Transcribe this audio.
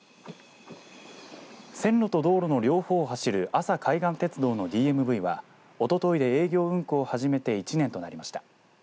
線路と道路の両方を走る阿佐海岸鉄道のＤＭＶはおとといで営業運行を始めて１年となりました。